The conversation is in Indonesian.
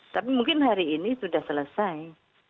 tapi mungkin hari ini sudah selesai